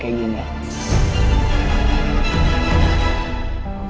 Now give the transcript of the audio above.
wielu ingin melakukan project